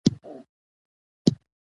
ځوان ژباړن دې دا ټکی هېر نه کړي.